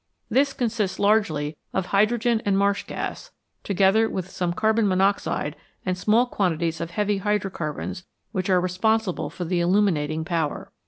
This consists largely of hydrogen and marsh gas, together with some carbon monoxide and small quantities of heavy hydrocarbons which are responsible for the illuminating power.